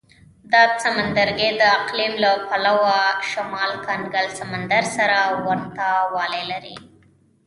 دا سمندرګي د اقلیم له پلوه شمال کنګل سمندر سره ورته والی لري.